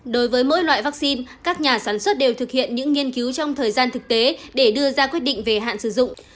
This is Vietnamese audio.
đối với mỗi loại vaccine các nhà sản xuất đều thực hiện những nghiên cứu trong thời gian thực tế để đưa ra quyết định về hạn sử dụng